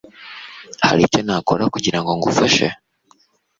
Hari icyo nakora kugirango ngufashe?